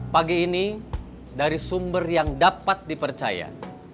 pagi ini dari sumber yang dapat dipercaya